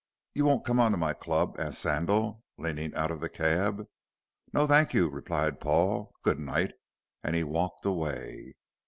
"You won't come on to my club?" asked Sandal, leaning out of the cab. "No, thank you," replied Paul. "Good night," and he walked away.